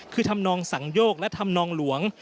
คือทำนองสังโยกและธรรมนองหลวง